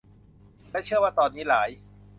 และเชื่อว่าตอนนี้หลาย